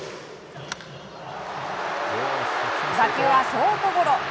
打球はショートゴロ。